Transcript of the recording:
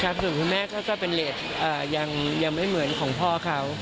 ถ้าถึงคุณแม่ก็เป็นเล็กยังไม่เหมือนของพ่อเขา